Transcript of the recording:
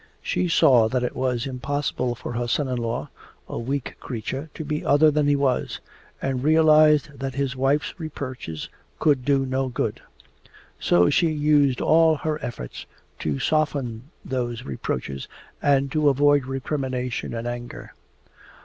She saw that it was impossible for her son in law, a weak creature, to be other than he was, and realized that his wife's reproaches could do no good so she used all her efforts to soften those reproaches and to avoid recrimination and anger.